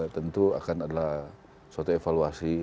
tentu akan adalah suatu evaluasi